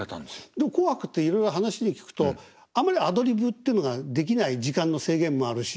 でも「紅白」っていろいろ話で聞くとあんまりアドリブっていうのができない時間の制限もあるし。